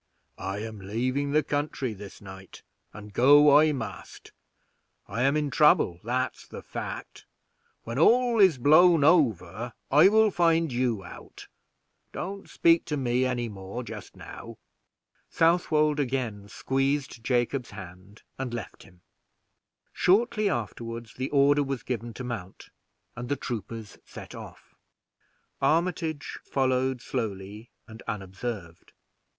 "I am leaving the country this night, and I must go. I am in trouble, that's the fact; when all is blown over, I will find you out. Don't speak to me any more just now." Southwold again squeezed Jacob's hand, and left him. Shortly afterward the order was given to mount, and the troopers set off. Armitage followed slowly and unobserved.